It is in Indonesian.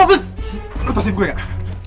saya akan beli minum buat kalian